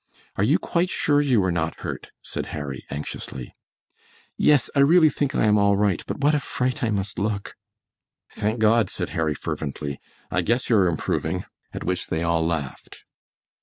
"Are you quite sure you are not hurt?" said Harry, anxiously. "Yes, I really think I am all right, but what a fright I must look!" "Thank God!" said Harry fervently; "I guess you're improving," at which they all laughed.